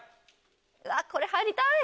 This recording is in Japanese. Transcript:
うわこれ入りたい！